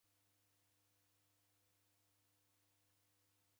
W'aw'itanya wiselo